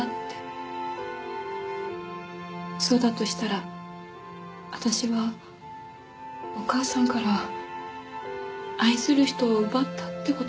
そうだとしたら私はお母さんから愛する人を奪ったって事でしょ？